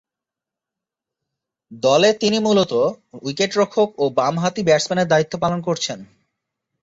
দলে তিনি মূলতঃ উইকেট-রক্ষক ও বামহাতি ব্যাটসম্যানের দায়িত্ব পালন করছেন।